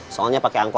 soalnya pakai angkot